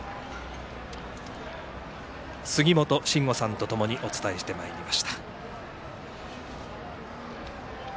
杉本真吾さんとともにお伝えしてまいりました。